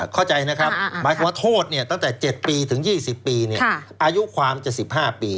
เข้าใจนะครับหมายความว่าโทษตั้งแต่๗ปีถึง๒๐ปีอายุความจะ๑๕ปี